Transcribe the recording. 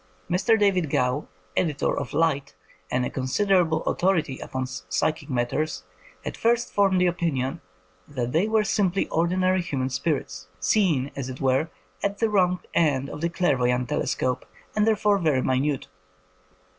Mr. David Gow, editor of Light, and a considerable authority upon psychic matters, had first f oniied the opinion that they were simply ordinary human spirits, seen, as it were, at the wrong end of a clairvoyant telescope, and therefore very minute.